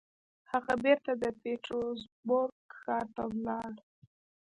هغه بېرته د پيټرزبورګ ښار ته ولاړ.